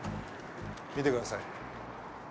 見てください。